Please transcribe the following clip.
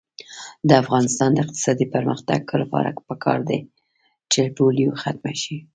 د افغانستان د اقتصادي پرمختګ لپاره پکار ده چې پولیو ختمه شي.